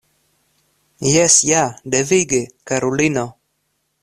Jes ja, devige, karulino.